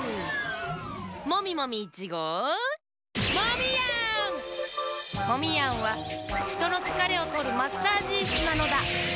モミモミ１ごうモミヤンはひとのつかれをとるマッサージイスなのだ。